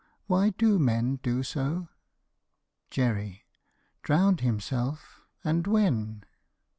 Why do men do so? JERRY. Drowned himself? And when?